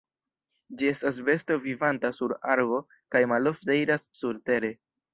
Ĝi estas besto vivanta sur arbo kaj malofte iras surtere.